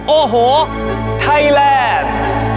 โอ้โหไทยแลนด์